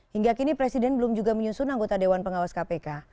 hingga kini presiden belum juga menyusun anggota dewan pengawas kpk